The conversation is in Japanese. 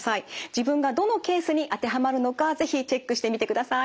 自分がどのケースに当てはまるのか是非チェックしてみてください。